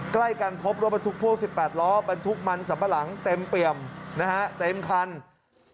ใกล้กันพบรถบรรทุกพ่วง๑๘ล้อบรรทุกมันสัมพลังเต็มเปรียมเต็มพันธุ์